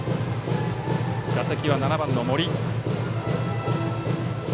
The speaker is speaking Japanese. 打席は７番の森。